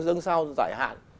dân sao giải hạn